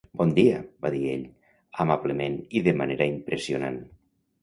"Bon dia", va dir ell, amablement i de manera impressionant.